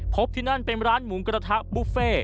ที่นั่นเป็นร้านหมูกระทะบุฟเฟ่